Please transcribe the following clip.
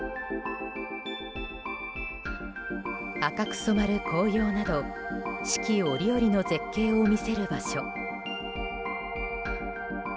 赤く染まる紅葉など四季折々の絶景を見せる場所。